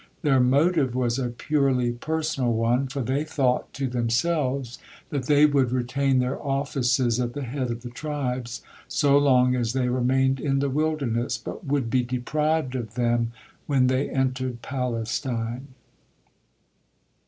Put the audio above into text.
Their motive was a purely personal one, for they thought to themselves that they would retain their offices at the head of the tribes so long as they remained in the wilderness, but would be deprived of them when they entered Palestine.